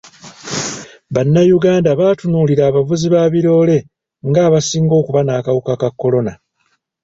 Bannayuganda batunuulira abavuzi ba biroole ng'abasinga okuba n'akawuka ka kolona.